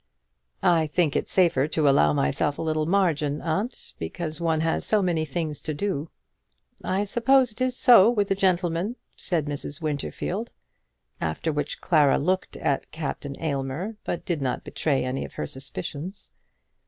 "I think it safer to allow myself a little margin, aunt, because one has so many things to do." "I suppose it is so with a gentleman," said Mrs. Winterfield. After which Clara looked at Captain Aylmer, but did not betray any of her suspicions.